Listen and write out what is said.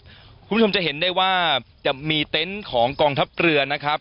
คุณผู้ชมจะเห็นได้ว่าจะมีเต็นต์ของกองทัพเรือนะครับ